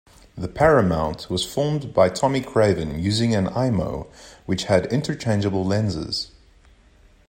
The Paramount was filmed by Tommy Craven using an Eyemo, which had interchangeable lenses.